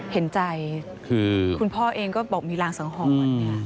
เห็นใจคือคุณพ่อเองก็บอกมีรางสังหรณ์